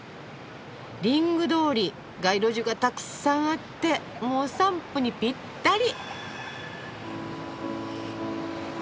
リング通り街路樹がたくさんあってもうお散歩にぴったり。